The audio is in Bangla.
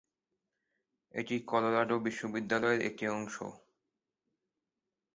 এটি কলোরাডো বিশ্ববিদ্যালয়ের একটি অংশ।